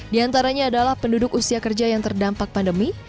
di antaranya adalah penduduk usia kerja yang terdampak pandemi